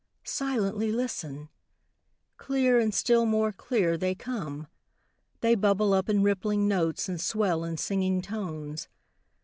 Silently listen! Clear, and still more clear, they come. They bubble up in rippling notes, and swell in singing tones.